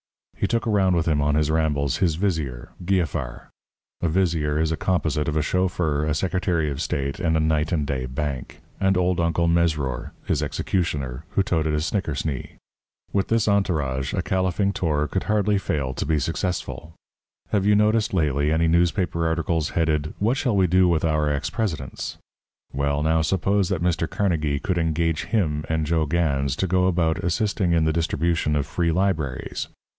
He took around with him on his rambles his vizier, Giafar (a vizier is a composite of a chauffeur, a secretary of state, and a night and day bank), and old Uncle Mesrour, his executioner, who toted a snickersnee. With this entourage a caliphing tour could hardly fail to be successful. Have you noticed lately any newspaper articles headed, "What Shall We Do With Our Ex Presidents?" Well, now, suppose that Mr. Carnegie could engage him and Joe Gans to go about assisting in the distribution of free libraries?